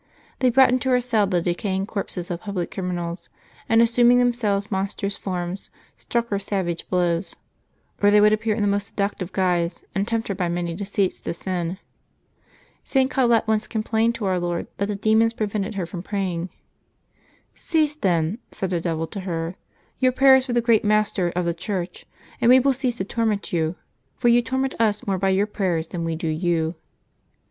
They brought into her cell the decaying corpses of public criminals, and assuming themselves monstrous forms struck her savage blows ; or they would appear in the most seduc tive guise,^ and tempt her by many deceits to sin. St. Co lette once complained to Our Lord that the demons pre vented her from praying. " Cease, then,'' said the devil to her, '^ your prayers to the great Master of the Church, and we will cease to torment you; for you torment us more by your prayers than we do you."